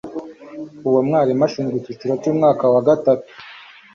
Uwo mwarimu ashinzwe icyiciro cyumwaka wa gatatu.